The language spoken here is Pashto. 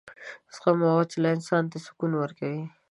زغم او حوصله انسان ته سکون ورکوي.